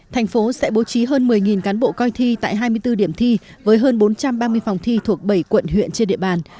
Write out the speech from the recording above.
thành phố sẽ bố trí hơn một mươi cán bộ coi thi tại hai mươi bốn điểm thi với hơn bốn trăm ba mươi phòng thi thuộc bảy quận huyện trên địa bàn